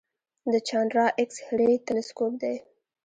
د چانډرا ایکس رې تلسکوپ دی.